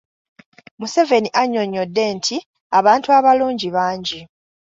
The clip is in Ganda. Museveni annyonnyodde nti abantu abalungi bangi.